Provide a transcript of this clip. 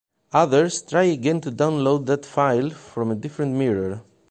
Others try again to download that file from a different mirror.